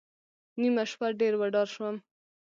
نیمه شپه ډېر وډار شوم.